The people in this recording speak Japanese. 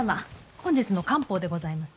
本日の官報でございます。